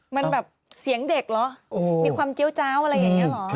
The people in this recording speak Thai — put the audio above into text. มันแบบเสียงเด็กเหรอมีความเจี้ยวเจ้าอะไรอย่างนี้เหรอ